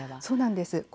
そうなんです。